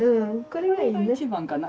これが一番かな